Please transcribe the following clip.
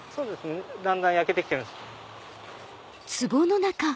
だんだん焼けて来てます。